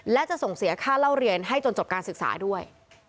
และจะส่งเสียค่าเล่าเรียนให้จนจบการศึกษาด้วย